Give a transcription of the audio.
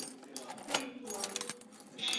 底面主要为白色。